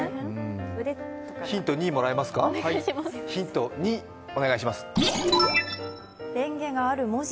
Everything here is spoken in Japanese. ヒント２、お願いします。